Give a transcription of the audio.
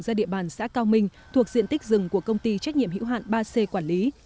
ra địa bàn xã cao minh thuộc diện tích rừng của công ty trách nhiệm hữu hạn ba c quản lý